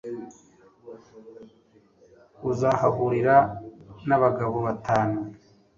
uzahahurira n'abagabo batatu